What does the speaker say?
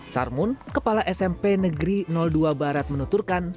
sarmun kepala smp negeri dua barat menuturkan